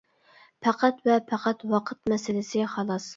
پەقەت ۋە پەقەت ۋاقىت مەسىلىسى خالاس.